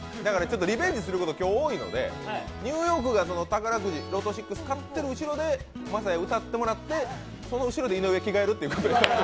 リベンジすること今日多いので、ニューヨークが宝くじ、ロト６買ってる後ろで、晶哉歌ってもらって、その後ろで井上、着替えるということで。